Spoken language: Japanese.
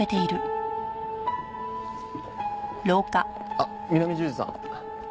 あっ南十字さん。